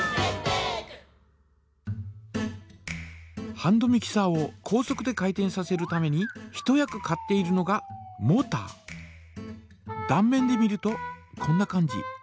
ハンドミキサーを高速で回転させるために一役買っているのがだん面で見るとこんな感じ。